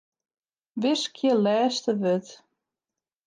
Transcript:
Wiskje lêste wurd.